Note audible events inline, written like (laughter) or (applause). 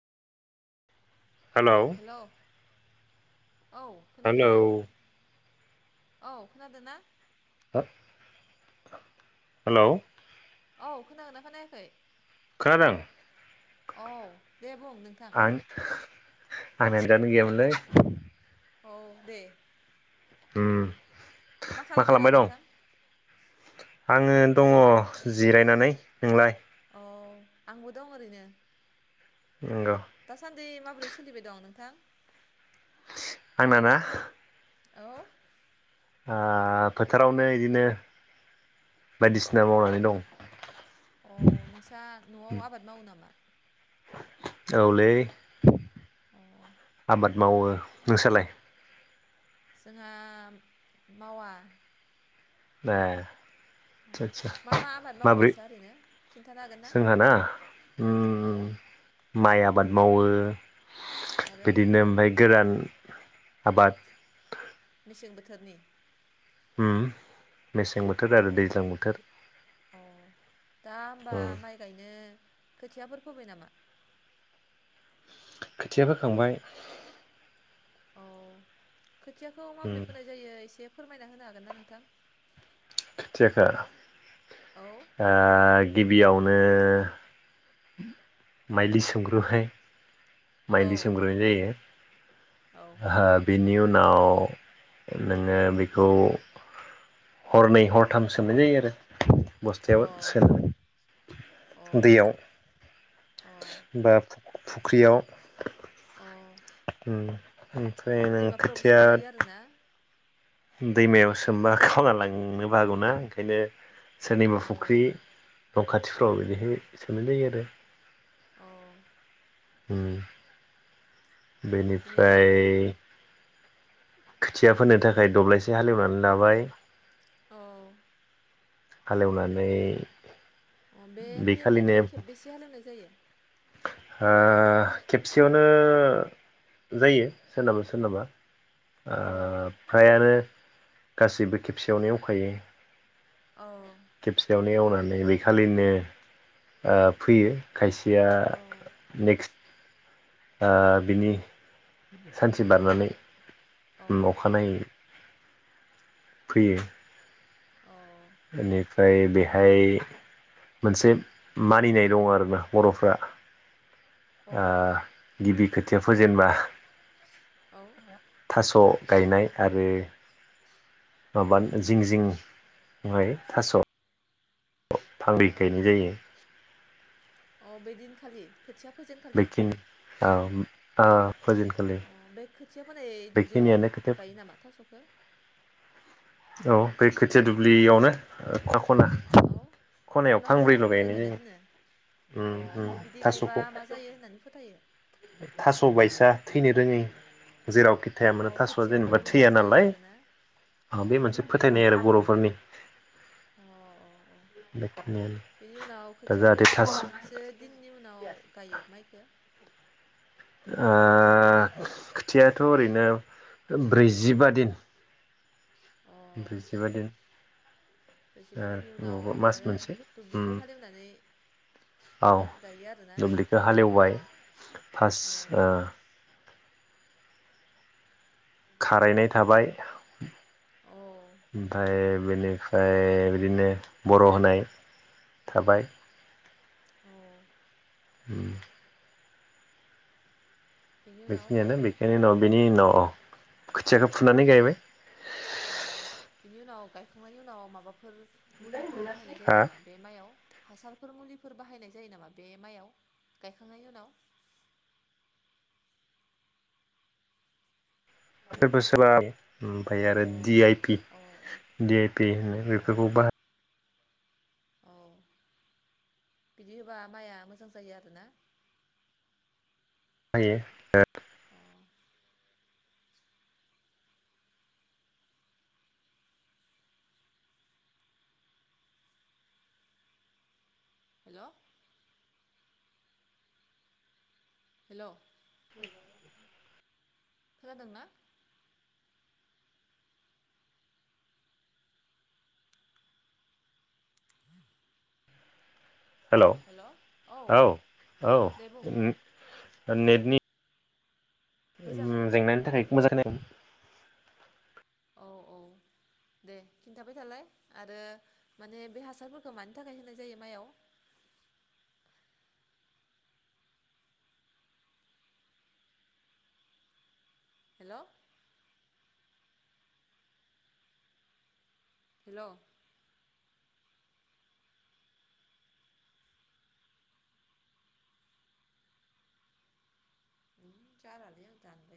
Hello औ खोनादों hello ना? औ खोनादों ना? (inaudible) हेलौ औ खोनागोना खोनायाखै? खोनादों। औ दे बुं नोंथां। आं आंना नेथआनो गैयामोनलै। औ दे। होम मा खालामबाय दं नोंथां? आङो दङ जिरा नानै नोंलाय? औ आंबो दं ओरैनो। नंगौ। दासान्दि माबोरै सोलिबाय दं नोंथां? आंना ना? औ ओ फोथारावनो बिदिनो बायदिसिना मावनानै दं। औ नोंस्रा न'आव आबाद मावो नामा? औलै। अ आबाद मावो नोंसालाय? जोंहा मावा। ए अ आतसा मा आतसा मा आबाद मावो माब्रै नोंस्रा ओरैनो खिन्थानो हागोन जोंहा ना औ ओम माइआ आबाद मावो। आरो बिदिनो ओमफाय गोरान आबाद मेसें बोथोरनि ओम अ औ दा होबा उम माइ गायनो खोथियाफोर फोबाय नामा? खोथिया फोखांबाय। औ खोथियाखौ उम माबोरै फोनाय जायो एसे फोरमायना होनो हागोन ना नोंथां? (inaudible) औ ओ गिबियावनो ओ माइलि सोमग्रोहाय माइलि औ सोमग्रोनाय जायो। औ हा बि बिनि उनाव नोङो बेखौ हरनै हरथाम सोमनाय जायो आरो। अ बस्थायाबो अ सोनानै दैयाव अ बा फु-फु (inaudible) फुख्रियाव अ उम ओमफ्राय नों दैमाफोरावबो खोथिया सोमजायो आरोना दैमायाव सोमबा खावना लांनोबो हागौना ओंखायनो सोरनिबा अ फुख्रि न खाथिफ्राव अ बिदिहाय सोमनाय जायो आरो अ उम बिनि उनाव बेनिफ्राय खोथिया फोनो थाखाय दब्लायसे हालहेवनानै लाबाय। अ हाल एवनानै अ बे हाल हेवनायखो खेबबैसो हालेवनाय जायो? ओ खेबसेयावनो जायो सोरनाबा सोरनाबा ओ अ ओफ्राय आरो गासैबो खेबसेयावनो एवखायो। अ खेबसेयावनो एवनानै बेखालिनो ओ फोयो। खायसेया अ नेकस्ट ओ बिनि सान्थि बारनानै अखानायै अ नखानायै फोयो। अ बेनिफ्राय बेहाय मोनसे मानिनाय दं आरोना बर'फ्रा औ ओ गिबि खो थिया फोजेनबा थास गायनाय आरो माबा जिं जिं हाय थास हालदै गायनाय जायो अ बैदिन खालि बैथिं औ ओ फोजेन खालि थिया फोनाय दुब्लियावनो गायो नामा थासखो औ बे खोथिया दुब्लियावनो खना औ खनायाव खना खना फांब्रैल' फांब्रै गायनाय गायना जायो दोनो उम अ उम ओमफ्राय बिदि गायबा थास'खौ मा जायो होननानै फोथायो थास बायसा थैनो रोङै जेराव खिथाया औ मानो थासआ खोथियाफोरा जेनेबा मोजां थैया जायो नालाय आरोना औ बे मोनसे फोथायनाय आरो बरफोरनि अ औ बेखिनियानो बेनि उनाव दा खोथियाखो जाहाथे थास बेसेबांसो दिननि उनाव गायो माइखो ओ खोथियाथ ओरैनो ब्रैजिबा दिन अ ओमफाय जिबादि बेसेबा दिननि उनाव मबा मास आरो मोनसे दुब्लिखौ हालेवनानै औ माइखौ गायो आरोना दुब्लिखौ हालेवबाय औ फार्स्ट खारायनाय थाबाय औ ओमफाय बेनि ओमफ्राय बिदिनो बर' होनाय थाबाय औ हम बेनि उनाव बेखिनियानो गायबाय बेखिनि न' बिनि उनाव अ खोथियाखौ फुनानै गायबाय। अ बिनि उनाव गायखांनायनि उनाव माबाफोर फोर मुलिफोर बाहायनाय जायो हा नामा बे मयाव हासारफोर मुलिफोर फोर बाहायनाय जायो नामा बे माइयाव गायखांनायनि उनाव। बेसेबां ओमफ्राय अ आरो दि आइ पि औ दि आइ पि होननाय औ बेफोरखौ बाहा औ बिदि होबा माइआ मोजां जायो आरोना। जायो। अ हेल'। हेल'। खोनादों ना। हेल' औ औ दे बुं नेटनि मोजाङै जेंनानि फैयाखैमोन थाखाय माने मोजां औ औ दे खिन्थाबाय थालाय आरो माने बे हासारफोरखौ मानि थाखाय होनाय जायो माइयाव। हेल'। हेल'। जालालै आं दानबाय।